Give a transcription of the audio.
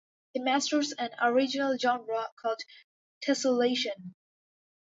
He masters an origami genre called Tessellation.